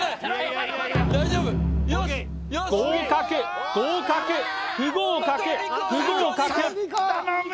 合格合格不合格不合格頼む！